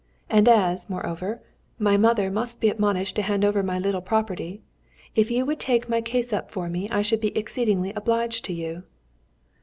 and as, moreover, my mother must be admonished to hand over my little property, if you would take my case up for me I should be exceedingly obliged to you."